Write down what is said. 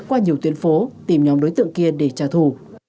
qua nhiều tuyến phố tìm nhóm đối tượng kia để trả thù